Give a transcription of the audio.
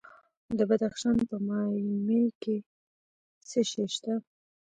د بدخشان په مایمي کې څه شی شته؟